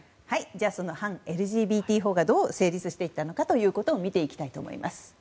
その反ＬＧＢＴ法がどう成立していったのか見ていきたいと思います。